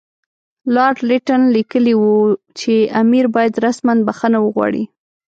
لارډ لیټن لیکلي وو چې امیر باید رسماً بخښنه وغواړي.